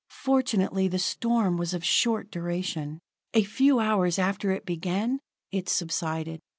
Fortunately the storm was of short duration; a few hours after it began, it subsided.